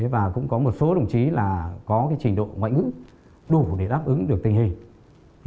và cũng có một số đồng chí là có trình độ ngoại ngữ đủ để đáp ứng được tình hình